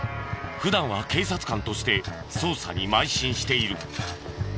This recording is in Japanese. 普段は警察官として捜査に邁進している。